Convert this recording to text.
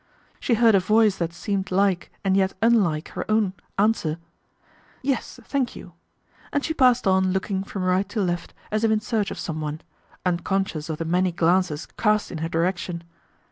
She heard a voice that seemed like and yet unlike her own answer, " Yes, thank you," and she passed on looking from right to left as if in search of someone, unconscious of the many glances cast in her direc tion.